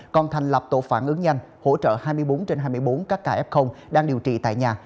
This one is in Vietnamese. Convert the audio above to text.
còn thành lập tổ phản ứng nhanh hỗ trợ hai mươi bốn trên hai mươi bốn các ca f đang điều trị tại nhà